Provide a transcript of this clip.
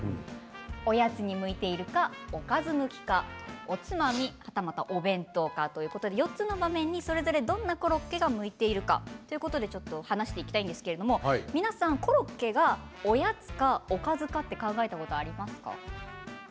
おやつに向いているかおかず向きかおつまみ、はたまたお弁当か、ということで４つの場面でそれぞれどんなコロッケが向いているのかということで話していきたいんですけども皆さんコロッケがおやつかおかずかと考えたことありますか？